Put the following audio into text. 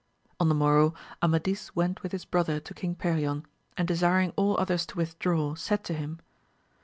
On the morrow Amadis went with his brother to King Perion, and desiring all others to withdraw, said to him.